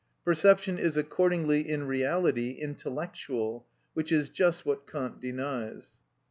Perception is accordingly in reality intellectual, which is just what Kant denies.